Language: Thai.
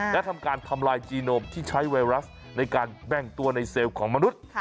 และทำการทำลายจีโนมที่ใช้ไวรัสในการแบ่งตัวในเซลล์ของมนุษย์